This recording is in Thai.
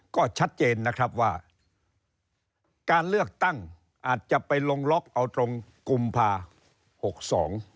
ก็ชัดเจนนะครับว่าการเลือกตั้งอาจจะไปลงล็อกเอาตรงกุมภาหกสอง